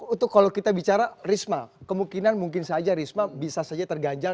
untuk kalau kita bicara risma kemungkinan mungkin saja risma bisa saja terganjal